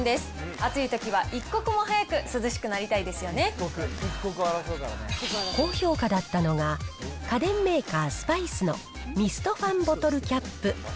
暑いときは一刻も早く涼しくなり高評価だったのが、家電メーカー、スパイスのミストファンボトルキャップ。